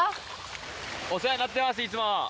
お世話になってますいつも。